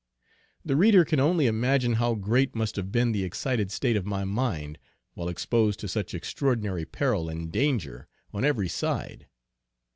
The reader can only imagine how great must have been the excited state of my mind while exposed to such extraordinary peril and danger on every side.